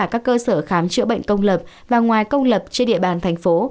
các cơ sở khám chữa bệnh công lập và ngoài công lập trên địa bàn thành phố